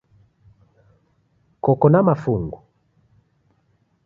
Koko na mafungu?